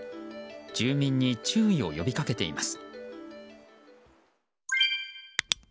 住民に注意を呼び掛けています。